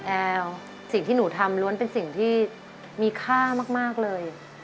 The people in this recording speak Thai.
แอลสิ่งที่หนูทำล้วนเป็นสิ่งที่มีค่ามากเลย